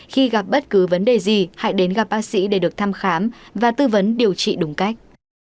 khi gặp bất cứ vấn đề gì hãy đến gặp bác sĩ để được thăm khám và tư vấn điều trị đúng cách